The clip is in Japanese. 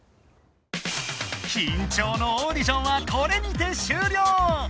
緊張のオーディションはこれにて終了！